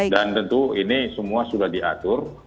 dan tentu ini semua sudah diatur